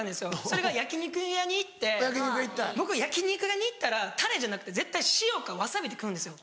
それが焼き肉屋に行って僕焼き肉屋に行ったらタレじゃなくて絶対塩かわさびで食うんですよ。